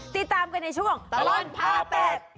ติดตามกันในช่วงตลอดภาพ๘